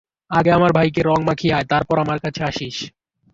আগে আমার ভাইকে রং মাখিয়ে আয়, তারপর আমার কাছে আসিস।